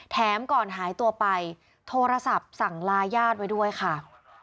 แถมก่อนหายตัวไปโทรศัพท์สั่งลาญาติไว้ด้วยค่ะ